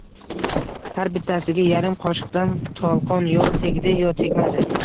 Har bittasiga yarim qoshiqdan tolqon yo tegdi, yo tegmadi.